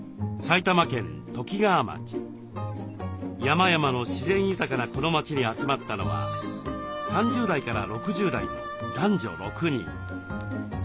山々の自然豊かなこの町に集まったのは３０代から６０代の男女６人。